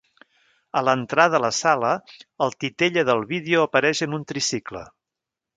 A l'entrada a la sala, el titella del vídeo apareix en un tricicle.